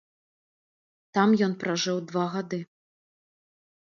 Там ён пражыў два гады.